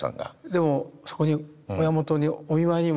でもそこに親元にお見舞いにも。